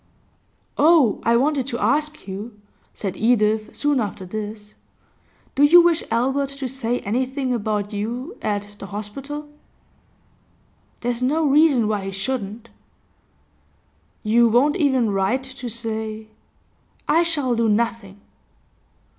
'Oh, I wanted to ask you,' said Edith, soon after this. 'Do you wish Albert to say anything about you at the hospital?' 'There's no reason why he shouldn't.' 'You won't even write to say ?' 'I shall do nothing.